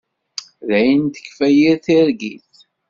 Dayen tekfa yir targit.